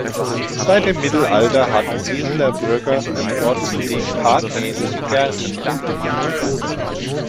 Seit dem Mittelalter hatten Weseler Bürger dort zudem parkähnliche Gärten angelegt.